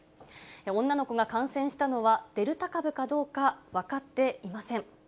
女の子が感染したのは、デルタ株かどうか分かっていません。